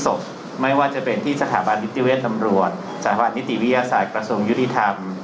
สูตรพลิกศพไม่ว่าจะเป็นที่สถาบันวิทยาเวียตำรวจสถาบันวิทยาวิทยาศาสตร์ประสงค์ยุติธรรม